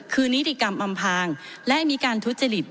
คือนิติกรรมอำพางและมีการทุจริต